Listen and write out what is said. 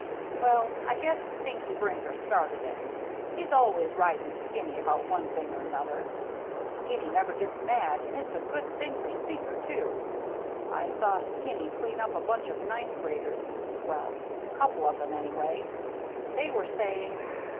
Well, I guess Stinker Brinker started it. He's always riding Skinny about one thing or another, but Skinny never gets mad and it's a good thing for Stinker, too. I saw Skinny clean up on a bunch of ninth graders ... Well, a couple of them anyway. They were saying